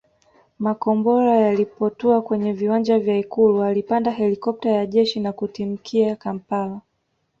Makombora yalipotua kwenye viwanja vya Ikulu alipanda helikopta ya jeshi na kutimkia Kampala